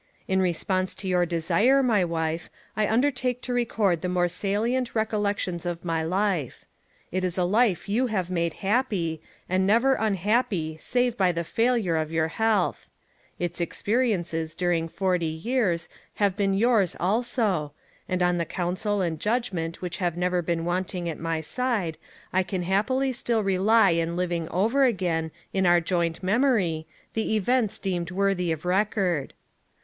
^ In response to your desire, mj wife, I undertake to record the more salient recollections of my life. It is a life you have made happy, and neyer nnhappy save by the failure of your health: its experiences during forty years have been yours also, and on the counsel and judgment which have never been wanting at my side I can happily still rely in living over again in our joint memory the events deemed worthy of record.